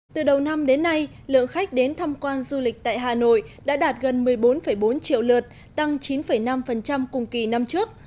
từ đầu năm đến nay lượng khách đến thăm quan du lịch tại hà nội đã đạt gần một mươi bốn bốn triệu lượt tăng chín năm cùng kỳ năm trước